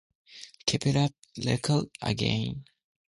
Seen close this mechanism was no longer small.